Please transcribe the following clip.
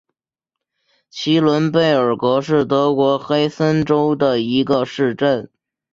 齐伦贝尔格是德国黑森州的一个市镇。